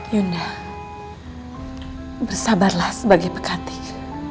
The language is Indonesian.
yunda bersabarlah sebagai pekating